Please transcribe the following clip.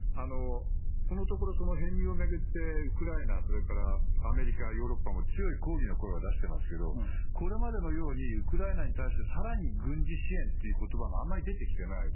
このところ、編入を巡ってウクライナ、それからアメリカ、ヨーロッパも強い抗議の声は出していますがこれまでのようにウクライナに対して更に軍事支援という言葉があまり出てきていない。